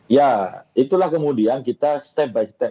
ya itulah kemudian kita step by step satu per satu gitu